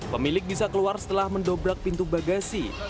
pemilik bisa keluar setelah mendobrak pintu bagasi